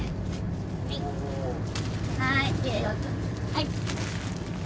はい。